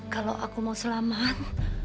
kalau aku mau selamat